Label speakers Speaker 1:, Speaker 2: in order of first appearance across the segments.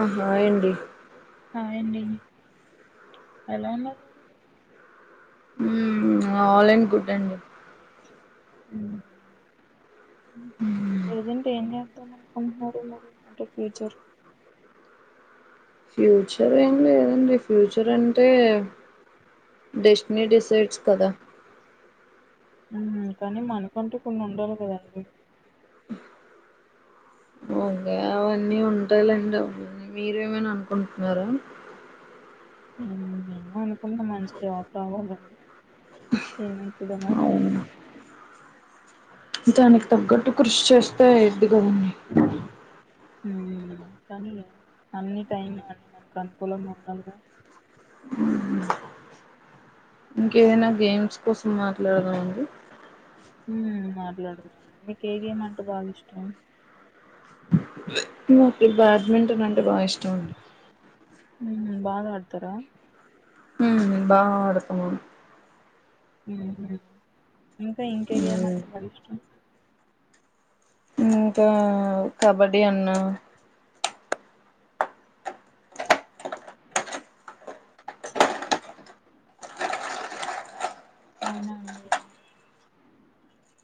Speaker 1: ఆహా ఎంది
Speaker 2: హాయ్ అండి ఎలా ఉన్నవు
Speaker 1: ఊ ఆలైన్ కుట్టండి
Speaker 2: మ్
Speaker 1: [inaudible]
Speaker 2: ప్రజెంట్ ఏం చేస్తున్నావ్ కంపెనీలో అంటే ఫ్యూచర్
Speaker 1: ఫ్యూచర్ ఏం లేదండి ఫ్యూచర్ అంటే డెస్టినీ డిసైడ్స్ కదా
Speaker 2: ఉమ్, కానీ మనకంటు కొన్ని ఉండాలి కదండి
Speaker 1: ఓకే అవన్నీ ఉంటాయిలేండి అవన్నీ మీరు ఏమైనా అనుకుంటున్నారా
Speaker 2: ఉమ్ ఏమోలే ఉ మనం చెప్పకూడదు ఏం అయితదో మరి
Speaker 1: అవును దానికి తగ్గట్టు కృషి చేస్తే అయిద్ది కదా
Speaker 2: ఊ కానీ అన్ని టైం అండి మనకు అనుకూలంగా ఉండాలి గా
Speaker 1: ఉమ్ ఇంకేదైనా గేమ్స్ కోసం మాట్లాడదామండి
Speaker 2: ఉమ్, మాట్లాడదాం మీకు ఏ గేమ్ అంటే బాగా ఇష్టం
Speaker 1: [inaudible] నాకు బ్యాడ్మింటన్ అంటే బాగా ఇష్టం అండి.
Speaker 2: ఉమ్ బాగ ఆడతరా
Speaker 1: హుమ్ నేను బాగ ఆడ ఓ
Speaker 2: ఉహు ఇంకా ఇంకే గేమ్
Speaker 1: మ్మ్.
Speaker 2: అంటే మరి ఇష్టం
Speaker 1: ఇంకా కబడ్డీ అన్న
Speaker 2: [inaudible] అవునా అండి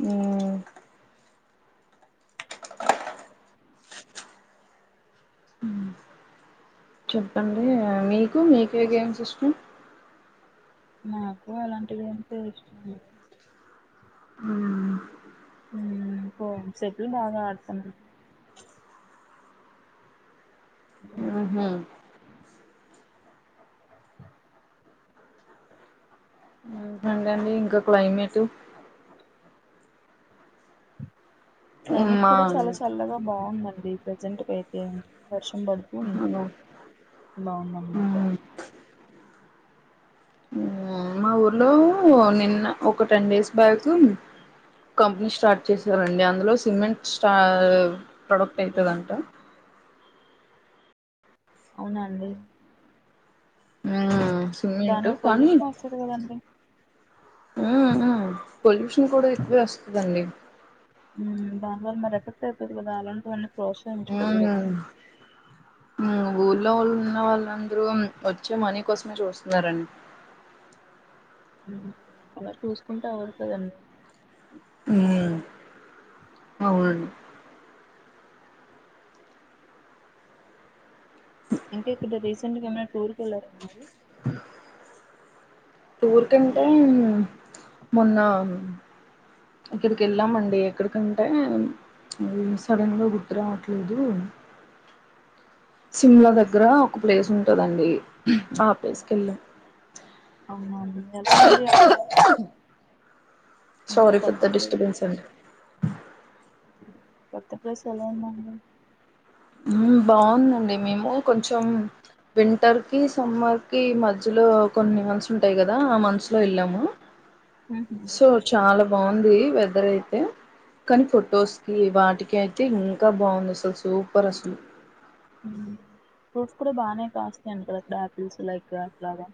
Speaker 1: మ్మ్ చెప్పండి మీకు మీకే గేమ్స్ ఇష్టం.
Speaker 2: నాకు అలాంటి గేమ్స్ ఏ ఇష్టమండి ఉమ్ సో సెటిల్ బాగా ఆడతను ఉ
Speaker 1: ఉహు ఇంక క్లైమేట్
Speaker 2: క్లైమేట్
Speaker 1: మా
Speaker 2: కూడ
Speaker 1: అవును
Speaker 2: చాలా చల్లగా బాగుందన్ ప్రెసెంట్ కి అయితే వర్ష్ ఇ పడివు బాగుంది అనమాట
Speaker 1: మ్మ్. మ్మ్. మా ఊర్లో నిన్న ఒక ten days back company start చేసారండి. అందులో సిమెంట్ స్టా ప్రొడక్ట్ అయితదంట.
Speaker 2: అవున అండి
Speaker 1: ఆ సిమెంట్
Speaker 2: దానివల్ల
Speaker 1: కానీ
Speaker 2: పొల్యూషన్ వస్తది కదండి
Speaker 1: ఉ ఊ పొల్లుషన్ కూడ ఎక్
Speaker 2: ఉమ్ బారబల్ మరి వస్తే వత్తది కదా వాళ్ళపోన్ ప్రోత్సహించకూడదు గదా
Speaker 1: ఊల్లో వాళ్ళు ఉన్న వాళ్ళందరూ వచ్చే మనీ కోసమే చూస్తున్నారన్
Speaker 2: అలా చూసుకుంటే అవ్వదు కదండి
Speaker 1: వును అవునండి
Speaker 2: ఇంకా ఇక్కడ రీసెంట్ గా ఏమైనా టూర్ కి వెళ్ళార అన్నారు
Speaker 1: టూర్ కంటే మొన్న ఇక్కడికి వెళ్ళామండి. ఎక్కడికంటే సడన్ గా గుర్తు రావట్లేదు. సిమ్లా దగ్గర ఒక ప్లేస్ ఉంటదండి. ఆ ప్లేస్ కెళ్ళాం.
Speaker 2: అవున అండి ఎలా ఉంది అక్కడ అంటే
Speaker 1: సారీ ఫర్
Speaker 2: కొత్త
Speaker 1: ద
Speaker 2: ప్లేస్
Speaker 1: డిస్టబెన్స్ అండి
Speaker 2: కొత్త ప్లేస్ ఎలాఉందండి
Speaker 1: ఊమ్ బాగుందండి మేము కొంచెం వింటర్ కి సమ్మర్ ఈ మధ్యలో కొన్ని మనసులు ఉంటాయి కదా ఆ మంత్స్ లో వెళ్ళాము.
Speaker 2: ఉహు
Speaker 1: సో చాలా బాగుంది వె దర్ ఐతే కానీ ఫొటోస్ కి వా టికి అయితే ఇంకా బాగుండు అసలు సూప్ పర్
Speaker 2: ఫ్రూట్స్ కూడా బాగానే కాస్తాయట కద అక్కడ ఆపిల్స్ లైక్ అట్లాగా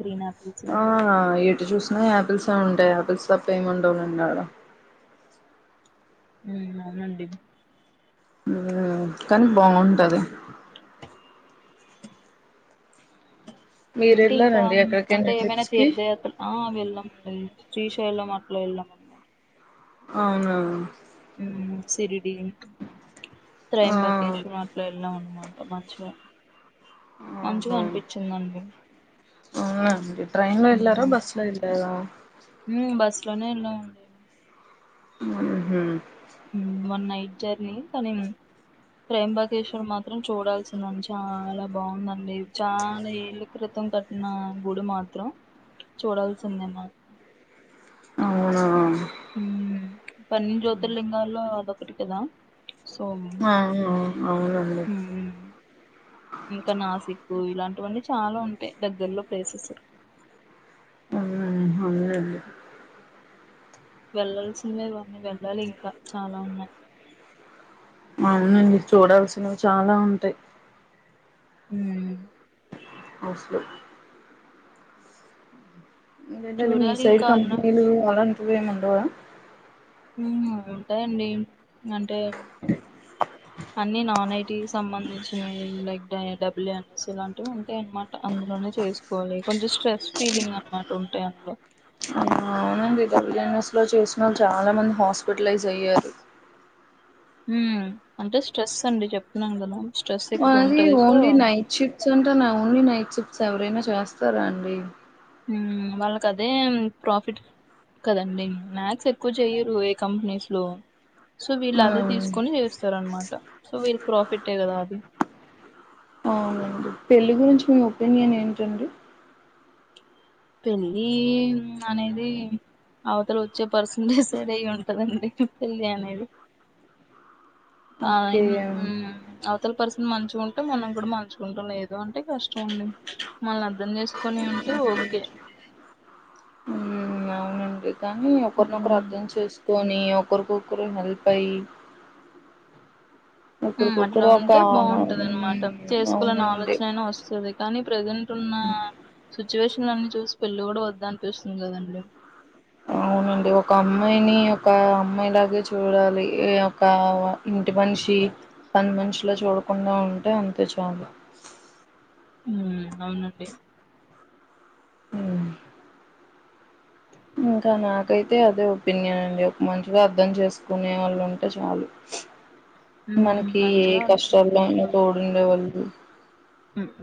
Speaker 2: గ్రీన్ ఆపిల్
Speaker 1: ఆ ఏటు చూసిన యాపిల్స్ ఏ ఉంటాయి యాపిల్స్ అవి తప్ప ఏంఉండవులేఆడ
Speaker 2: అవునండి
Speaker 1: కానీ బాగుంటది మీరు
Speaker 2: అంటె ఇంకా
Speaker 1: వెళ్ళారండి ఎక్కడికైనా
Speaker 2: అంటే ఏమైనా
Speaker 1: ట్రిప్స్ కి
Speaker 2: తీర్థయాత్ర వెళ్ళాం శ్రీస శైలం మాట్లా వెళ్ళాం
Speaker 1: అవునా
Speaker 2: సిరి
Speaker 1: ఆ
Speaker 2: త్రయంబకేశవ అట్లా ఎల్లమన్న మాట మంచిగా మంచిగా అనిపించిందండి
Speaker 1: అవును అండి ట్రైన్లో ఎల్లరా
Speaker 2: ఉమ్
Speaker 1: బుసలు ఏలార
Speaker 2: ఇంట్లోవాళ్ళతో వెళ్ళమండి
Speaker 1: హామ్
Speaker 2: ఉమ్ వన్ జర్నీ కానీ ప్రేంబకేశ్వర్ మాత్రం చూడాల్సిందండి చాలా బాగుందండి చాలా ఏలు క్రితం కట్టిన గుడి మాత్రం చూడాల్సిదే మా
Speaker 1: అవునా
Speaker 2: పన్నెండు జ్యోతిర్లింగాలో అదొ కటికదా
Speaker 1: ఆ అవునండి
Speaker 2: ఇకా నాసి క్ ఇలాంటివన్నీ చాలా ఉంటాయి దగ్గర్లో ప్లేసెస్
Speaker 1: ఆ అవును
Speaker 2: వెళ్ళల్సిందే ఇగ వెళ్ళాలి ఇంకా చాలా ఉన్నాయి
Speaker 1: అవునండి చూడాల్సినవి చాలా ఉంటాయి
Speaker 2: హ
Speaker 1: వసలు ఎందుకేంటంటే మీ
Speaker 2: చూడాలి
Speaker 1: సైడ్
Speaker 2: ఇంకా అన్న
Speaker 1: కంపెనీలు అలా వేముండవా
Speaker 2: ఉంటాయండి అంటే అన్ని నాన్ ఐటి సంబంధించినవి లైక్ డబ్ల్యూ ఎన్ఎస్ ఇలాంటివి ఉంటాయి అనమాట అందులోనే చేసుకోవాలి కొంచెం స్ట్రెస్ ఫీలింగ్ అనమాట ఉంటాయి అందులో
Speaker 1: ఆ అండి డబ్ల్యూఎన్ఎస్ లో చేసిన వాళ్ళు చాలా మంది హాస్పిటలైజ్ అయ్యారు
Speaker 2: ఉ అంటే స్ట్రెస్ అండి చెప్తున్నాం కదా స్ట్రెస్ ఎక్కువ
Speaker 1: మనది
Speaker 2: ఉంటది సో
Speaker 1: ఓన్లీ నైట్ షిప్ట్స్ అంటా ఓన్లీ నైట్ చిప్స్ ఎవరైనా చేస్తారా అండి
Speaker 2: వాళ్ళకి అదే ప్రాఫిట్ కదండి మ్యాక్స్ ఎక్కువ చెయ్యరు ఏ కంపెనీస్ లో సో వీళ్ళు
Speaker 1: ఆ
Speaker 2: అదే తీసుకొని చేస్తారు అనమాట సో వీళ్ళ ప్రాఫిటే కదా అది
Speaker 1: పెళ్ళి గురించి మీ ఒపీనియన్ ఏంటండి
Speaker 2: పెళ్ళి అనేది అవతల వచ్చే పర్సన్ డిసైడ్ అయి ఉంటదండి పెళ్ళి అనేది ఆ ఇ
Speaker 1: ఓకే
Speaker 2: హ్మ్ అతల పర్స్ మంచిగా ఉంటే మనం కూడా మంచిగా ఉంటాం లేదు అంటే కష్ మనల్ని అర్థం చేసుకొని ఉంటే ఓ కె
Speaker 1: హ్మ్ అవునండి కానీ ఒకరినొకరు అర్థం చేస్ పోని ఒకరికొకరు హెల్ప్ అయ్
Speaker 2: హు అట్లా ఉంటే బాగుంటది
Speaker 1: హ్మ్.
Speaker 2: అనమాట చేసుకోవాలన్న ఆలోచన
Speaker 1: అవునండి
Speaker 2: అయినా వస్తుంది కానీ ప్రజెంట్ న్నా సిచ్యువేషన్ అన్నీ చూసి పెళ్లి కూడా వద్దు అనిపిస్తుంది కదండి
Speaker 1: అవునండి ఒక అమ్మాయిని ఒక అమ్మాయిలాగే చూడాలి ఒక ఇంటి మనిషి పనిమనిషిలా చూడకుండా ఉంటే అంతే చాలు
Speaker 2: ఉ అవునండి
Speaker 1: హ్మ్ ఇంకా నాకైతే అదే ఒపీనియన్ అండి ఒక మంచిగా అర్థం చేసుకునే వాళ్ళు ఉంటే చాలు
Speaker 2: ఉమ్
Speaker 1: మనకి ఏ
Speaker 2: మంచిగా అర్థం
Speaker 1: కష్టల్లో అయినా తోడు ఉండే వాళ్ళు
Speaker 2: హ్మ్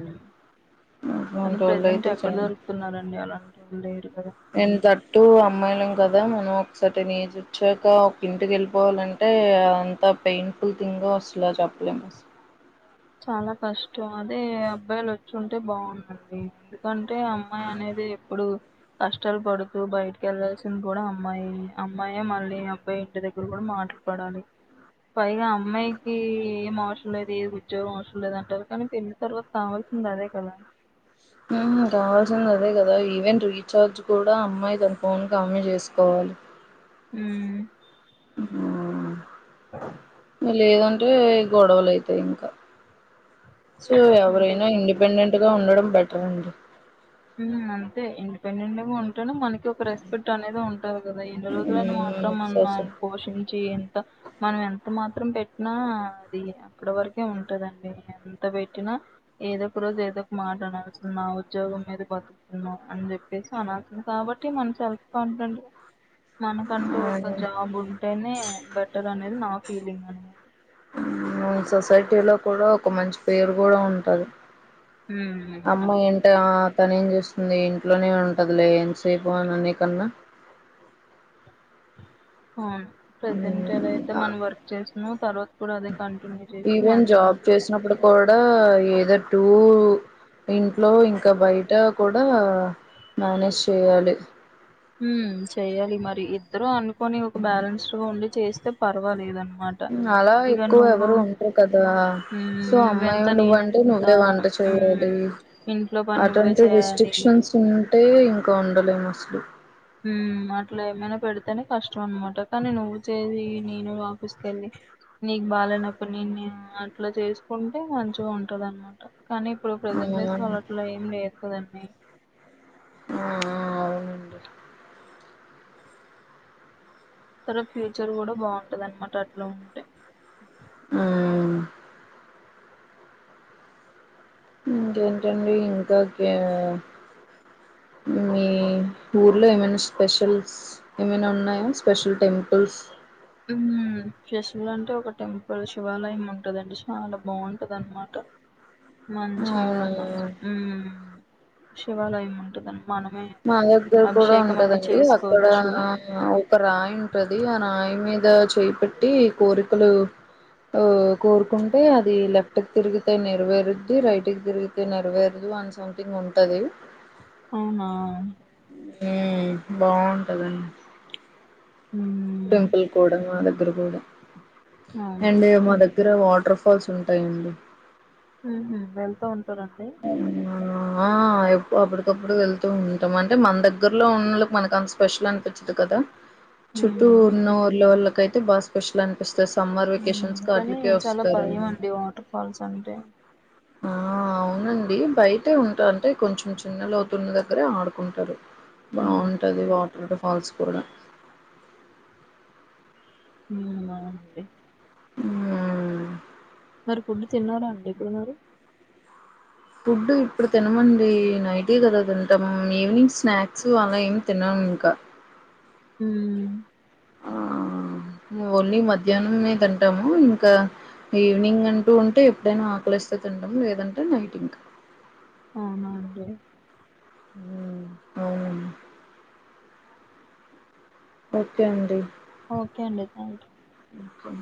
Speaker 1: రోళు అయితే చే [unintelligible] యండి
Speaker 2: దొరుకుతున్నారండి అలాంటోళ్ళు లేరు కదా
Speaker 1: నేంత తట్టు అమ్మాయిలం కదా మనం సర్ ని చుచ్చాక ఒక కంటి గెలుపు [unintelligible] పోవాలంటే అంత పెయిన్ఫుల్ థింగో అసలు చెప్పలేము అసలు
Speaker 2: చాలా కష్టం అదే అబ్బాయిలు వచ్చుంటే బాగుందండి ఎందుకం అంటే అమ్మాయి అనేది ఎప్పుడు కష్టాలు పడుతూ బయటికి వెళ్లాల్సింది కూడా అమ్మాయి అమ్మాయే మళ్ళీ అబ్బాయి ఇంటి దగ్గర కూడా మాటలు పడాలి పైగా అమ్మాయికి ఏం అవసరం లేదు ఏ జో అసం లేద అంటారు కానీ పెన్ని తర్వాత కావలసింది అదే కదా [unintelligible]
Speaker 1: కావాల్సింది అదే కదా ఈవెన్ రీఛార్జ్ కూడా అమ్మాయి తన ఫోన్కామె చేసుకోవాలి
Speaker 2: హ్మ్
Speaker 1: ఆ లేదంటే గొడవలు ఇంకా సో
Speaker 2: అంతే
Speaker 1: ఎవరైనా
Speaker 2: కదా
Speaker 1: ఇండిపెండెంట్ గా ఉండడం బెటర్ అండి.
Speaker 2: అంత ఇండిపెండెట్ లాగా అ మనకి ఒక రెస్పెక్ట్ అనేది ఉంటది కదా ఎన్ని రోజులనా
Speaker 1: ఉమ్
Speaker 2: మాత్రం
Speaker 1: సోస
Speaker 2: మన పోషించి ఎంత మనం ఎంత మాత్రం పె నా అది అక్కడ వరకే ఉంటదండి. ఎంత పెట్టినా ఏదో ఒక రోజు ఏదో ఒక అనాల్సిందే నా ఉద్యోగం మీద బతుకుతున్నాం అని చెప్పేసి అనాల్సి కాబట్టి మనం సెల్ఫ్ కాన్ఫిడెంట్ గా మనకంటూ ఒక
Speaker 1: అవును.
Speaker 2: జాబ్ ఉంటేనే బెటర్ అనేది నాకు ఫీలింగ్ అన్నమాట.
Speaker 1: సొసైటీలో కూడా ఒక మంచి పేరు కూడా ఉంటది.
Speaker 2: హ్మ్
Speaker 1: అమ్మో
Speaker 2: అవును
Speaker 1: ఏంట తనేం ఏం చేస్తుంది. ఇంట్ల లనే ఉంటదులే ఎంతసేపు అని కన్నా
Speaker 2: అవును ప్రజెంట్ ఎలా అయితే మనం వర్క్ చేస్తున్నామో తర్వాత కూడా అదే కంటిన్యూ చేస్తే
Speaker 1: ఈవెన్
Speaker 2: మంచిగా
Speaker 1: జాబ్
Speaker 2: ఉంటుంది
Speaker 1: చేసినప్పుడు కూడా ఏదో టూ ఇంట్లో ఇంకా బయట కూడా మేనేజ్ చేయాలి.
Speaker 2: ఊమ్ చేయాలి మరి ఇద్దరు అను కొని ఒక బ్యాలెన్స్డ్ గా ఉండి చేస్తే పర్వాలేదన్
Speaker 1: అలా ఎక్కువ ఎవరు ఉండరు కదా సో
Speaker 2: ఉమ్
Speaker 1: అమ్మాయి
Speaker 2: నువ్వెంత
Speaker 1: నువ్వంటే
Speaker 2: నేనెంత
Speaker 1: నువ్వే వంట
Speaker 2: ఉమ్
Speaker 1: చేయాలి.
Speaker 2: ఇంట్లో పని నువ్వే
Speaker 1: అటువంటి
Speaker 2: చేయాలి
Speaker 1: రిస్ట్రిక్షన్స్ ఉంటే ఇం ఉండలేమసలు.
Speaker 2: ఉమ్ అట్లా ఏమైనా పెడితేనే కష్టం అనమాట కానీ నువ్వు చేయి నేను ఆఫీస్ కెళ్ళి నీకు బాలేనప్పుడు నేను అట్లా చేసుకుంటే మంచిగా ఉంటదనమాట. కానీ ఇప్పుడు
Speaker 1: ఆ
Speaker 2: ప్రెజెంట్ డేస్ లో అట్ల ఏం లేదు కదండి.
Speaker 1: ఆ అవునండి
Speaker 2: [unintelligible] తర్వాత ఫ్యూచర్ కూడా బాగుంటది అనమాట అట్ల ఉంటే.
Speaker 1: ఉమ్ ఇంకేంటండి ఇంకా కి మ మీ ఊర్లో ఏమనా స్పెషల్స్ ఏమైనా ఉన్నాయ స్పెషల్ టెంపుల్స్.
Speaker 2: ఊమ్ ఫెస్టివల్ అంటే ఒక టెంపుల్ శివాలయం ఉంటదండి. చాలా బాగుంటది అన్నమాట మంచిగా
Speaker 1: అవునయ్యా
Speaker 2: ఉమ్ శివాలయం ఉంటదన్
Speaker 1: మా దగ్గర కూడా ఉంటదండి అక్కడ
Speaker 2: చేసుకోవచ్చు
Speaker 1: ఒక రాయి ఉంటది. ఆ రాయి మీద చేయిపెట్టి కోరికలు. ఒ కోరుకుంటే అది లెఫ్ట్ కి తిరిగితే నెరవేరుద్ది రైట్ కి తిరిగితే నెరవేరదు అని సంథింగ్ ఉంటది
Speaker 2: అవునా
Speaker 1: ఊమ్ బాగుంటదం
Speaker 2: ఉమ్
Speaker 1: టెంపుల్ కూడా అడ దరుగుడ
Speaker 2: అవును
Speaker 1: ఎండయ మొదక్ దగ్గర వాటర్ ఫాల్స్ ఉంటాయండి
Speaker 2: ఊహ్మ్ వెళ్త ఉం టరా అండి
Speaker 1: ఆ ఆ య అప్పటికప్పుడు వెళ్తూ ఉంటమని అంటే మన దగ్గరలో ఉన్నళ్ళకి మనకు అంత స్పెషల్ అనిపించదు కదా చుట్టూ
Speaker 2: ఉమ్
Speaker 1: ఉన్న ఊర్లో వల్ల కయితే బా స్పెషల్ అనిపిస్
Speaker 2: ఉమ్ కానీ చాలా భయం అండి వాటర్ ఫాల్స్ అంటే
Speaker 1: ఆ అవు అవునండి బయటే ఉంటా అంటే కొంచెం చిన్నలోతున్నదగర ఆడు కుంటరు
Speaker 2: ఉమ్
Speaker 1: బాగుంటది వాటర్ కాల్స్ కూడా
Speaker 2: అవునా అండి
Speaker 1: ఉమ్
Speaker 2: మరి ఫుడ్ తిన్నారా అండి ఇప్పుడు మీరు
Speaker 1: ఫుడ్ ఇప్పుడు తినమండి నైటె కదా తింటాము ఈవినింగ్ స్నాక్స్ అలా ఏమి తినము ఇంక
Speaker 2: ఉమ్
Speaker 1: ఆ ఓన్లీ మధ్యాహ్నంనే తింటాము ఇంకా ఈవినింగ్ అంటూ ఉంటే ఎప్పుడైనా ఆకలిస్తే తింటాము లేదంటే నైట్ ఇంకా
Speaker 2: అవునా అండి
Speaker 1: ఉమ్ అవునండి ఓకే అండి
Speaker 2: ఓకే అండి థ్యాంక్యూ
Speaker 1: ఒకే